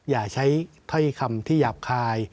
อย่าใช้เท้าที่คำที่หยาบคาย